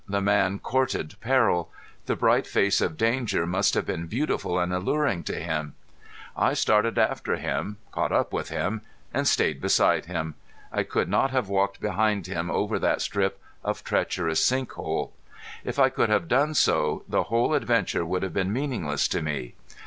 The man courted peril. The bright face of danger must have been beautiful and alluring to him. I started after him caught up with him and stayed beside him. I could not have walked behind him over that strip of treacherous sink hole. If I could have done so the whole adventure would have been meaningless to me.